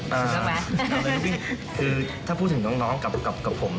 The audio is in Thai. แบบวะคือถ้าพูดถึงน้องกับผม